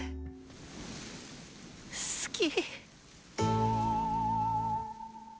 好き。